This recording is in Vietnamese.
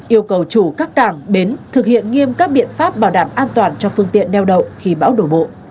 yêu cầu chủ các cảng bến thực hiện nghiêm các biện pháp bảo đảm an toàn cho phương tiện neo đậu khi bão đổ bộ